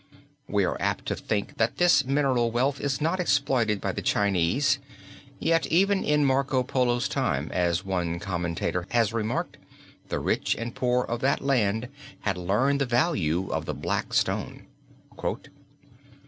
We are apt to think that this mineral wealth is not exploited by the Chinese, yet even in Marco Polo's time, as one commentator has remarked, the rich and poor of that land had learned the value of the black stone.